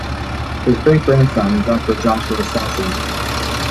His great-grandson is actor Joshua Sasse.